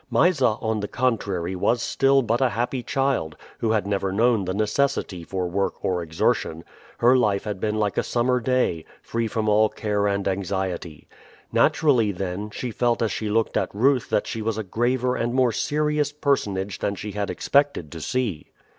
Mysa, on the contrary, was still but a happy child, who had never known the necessity for work or exertion; her life had been like a summer day, free from all care and anxiety. Naturally, then, she felt as she looked at Ruth that she was a graver and more serious personage than she had expected to see.